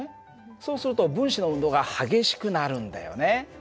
そうすると分子の運動が激しくなるんだよね。